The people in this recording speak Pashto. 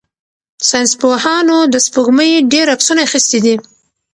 ساینس پوهانو د سپوږمۍ ډېر عکسونه اخیستي دي.